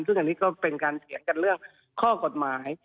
ซึ่งอันนี้ก็เป็นการเถียงกันเรื่องข้อกฎหมาย